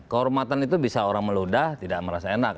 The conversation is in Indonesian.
kehormatan itu bisa orang meludah tidak merasa enak